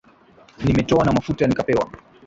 Nimetoa na mafuta nikapewa.